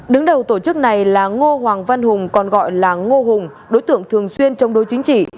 đứng đầu tổ chức này là ngô hoàng văn hùng còn gọi là ngô hùng đối tượng thường xuyên chống đối chính trị